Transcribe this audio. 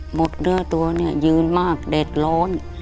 เนื้อตัวเนี่ยยืนมากเดือดร้อน